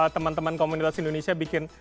teman teman komunitas indonesia bikin